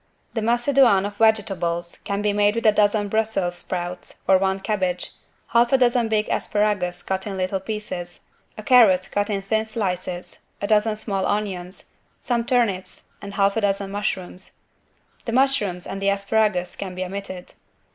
The =Macédoine= of vegetables can be made with a dozen Bruxelles sprouts or one cabbage, half a dozen big asparagus cut in little pieces, a carrot cut in thin slices, a dozen small onions, some turnips and half a dozen mushrooms. The mushrooms and the asparagus can be omitted.